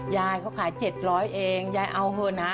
ยายเขาขาย๗๐๐เองยายเอาเถอะนะ